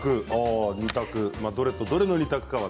どれとどれの２択かは。